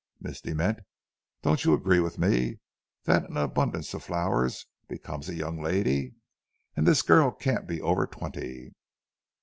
Miss De Ment, don't you agree with me that an abundance of flowers becomes a young lady? And this girl can't be over twenty.'